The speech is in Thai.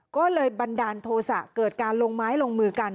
ก็เลยบันดาลโทษะเกิดการลงไม้ลงมือกัน